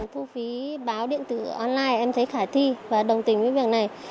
thu phí báo điện tử online em thấy khả thi và đồng tình với việc này